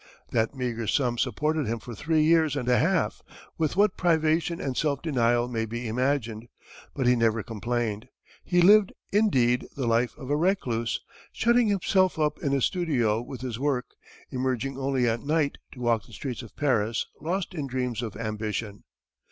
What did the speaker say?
That meagre sum supported him for three years and a half with what privation and self denial may be imagined; but he never complained. He lived, indeed, the life of a recluse, shutting himself up in his studio with his work, emerging only at night to walk the streets of Paris, lost in dreams of ambition.